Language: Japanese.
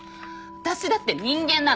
私だって人間なの。